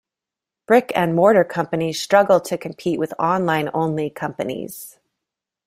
Brick and mortar companies struggle to compete with online only companies.